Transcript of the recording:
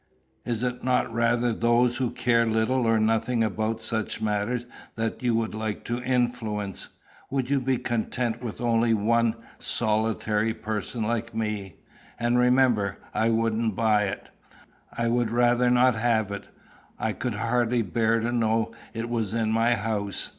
Is it not rather those who care little or nothing about such matters that you would like to influence? Would you be content with one solitary person like me? And, remember, I wouldn't buy it. I would rather not have it. I could hardly bear to know it was in my house.